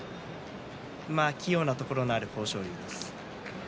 器用なところがある豊昇龍です。